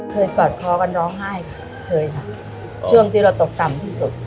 กอดคอกันร้องไห้ค่ะเคยค่ะช่วงที่เราตกต่ำที่สุด